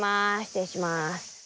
失礼します。